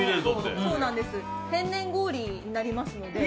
天然氷になりますので。